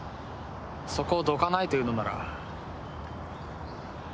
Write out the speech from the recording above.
そこをどかないというのなら。